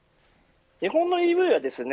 日本のＥＶはですね